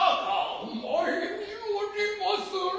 お前に居りまする。